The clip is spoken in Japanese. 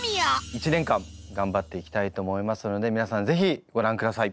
１年間頑張っていきたいと思いますので皆さんぜひご覧ください。